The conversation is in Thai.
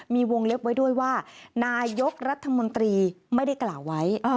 มีวงเล็บไว้ด้วยว่านายกรัฐมนตรีไม่ได้กล่าวไว้